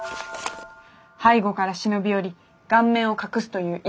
背後から忍び寄り顔面を隠すといういたずら。